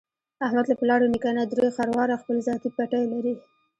احمد له پلار او نیکه نه درې خرواره خپل ذاتي پټی لري.